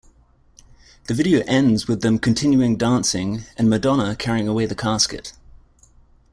The video ends with them continuing dancing and Madonna carrying away the casket.